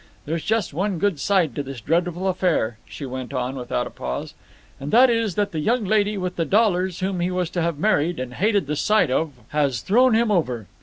There's just one good side to this dreadful affair," she went on without a pause, "and that is that the young lady with the dollars whom he was to have married, and hated the sight of, has thrown him over.